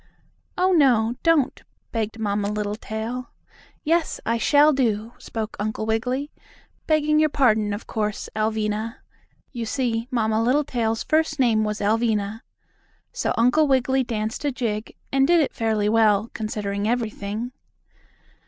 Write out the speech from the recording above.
"Oh, no, don't," begged Mamma Littletail. "Yes, I shall to," spoke Uncle Wiggily. "Begging your pardon, of course, Alvinah." You see, Mamma Littletail's first name was Alvinah. So Uncle Wiggily danced a jig, and did it fairly well, considering everything.